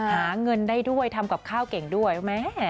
หาเงินได้ด้วยทำกับข้าวเก่งด้วยแม่